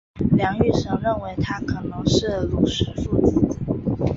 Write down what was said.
梁玉绳认为他可能是虢石父之子。